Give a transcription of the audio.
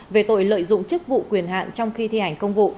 về tội lợi dụng chức vụ quyền hạn trong khi thi hành công vụ